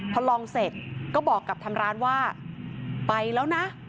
พอลองเสร็จก็บอกกับทางร้านว่าไปแล้วนะ